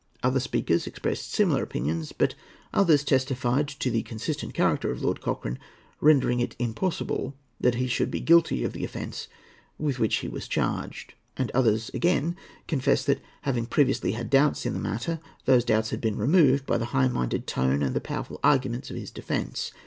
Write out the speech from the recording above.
Other speakers expressed similar opinions; but others testified to the consistent character of Lord Cochrane, rendering it impossible that he should be guilty of the offence with which he was charged; and others again confessed that, having previously had doubts in the matter, those doubts had been removed by the high minded tone and the powerful arguments of his defence.